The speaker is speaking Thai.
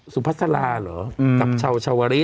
สุภาษาลาหรอกับชาวชาวริต